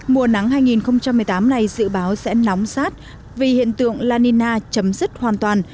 mùa nắng hai nghìn một mươi tám này dự báo sẽ nóng sát vì hiện tượng la nina chấm dứt hoàn toàn